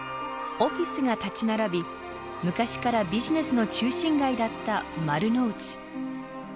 オフィスが立ち並び昔からビジネスの中心街だった丸の内。